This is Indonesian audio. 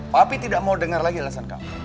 papi tidak mau denger lagi alasan kamu